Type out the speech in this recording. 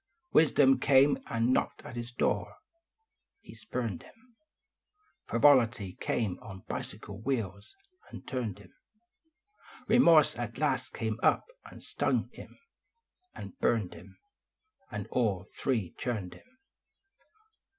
Wisdom came and knocked at his door ; he spurned iin. Frivolity came on bicycle wheels and turned im ; Remorse at last came up and stung im and burned im And all three churned im.